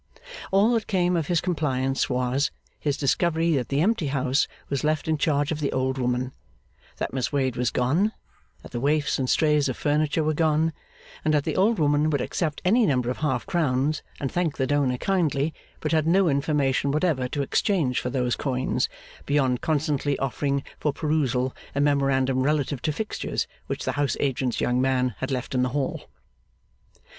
All that came of his compliance was, his discovery that the empty house was left in charge of the old woman, that Miss Wade was gone, that the waifs and strays of furniture were gone, and that the old woman would accept any number of half crowns and thank the donor kindly, but had no information whatever to exchange for those coins, beyond constantly offering for perusal a memorandum relative to fixtures, which the house agent's young man had left in the hall.